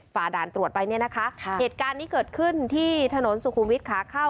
ด่านตรวจไปเนี่ยนะคะเหตุการณ์นี้เกิดขึ้นที่ถนนสุขุมวิทย์ขาเข้า